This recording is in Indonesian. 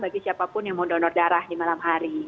bagi siapapun yang mau donor darah di malam hari